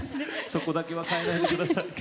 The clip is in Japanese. そこだけは変えないでください。